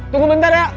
tunggu bentar ya